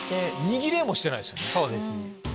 握れもしてないですよね。